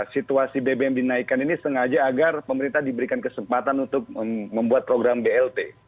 situasi bbm dinaikkan ini sengaja agar pemerintah diberikan kesempatan untuk membuat program blt